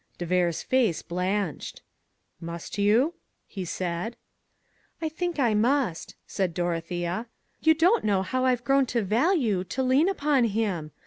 De Vere's face blanched. "Must you?" he said. "I think I must," said Dorothea. "You don't know how I've grown to value, to lean upon, him.